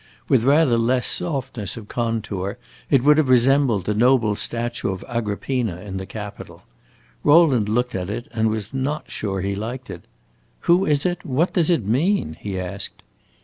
With rather less softness of contour, it would have resembled the noble statue of Agrippina in the Capitol. Rowland looked at it and was not sure he liked it. "Who is it? what does it mean?" he asked.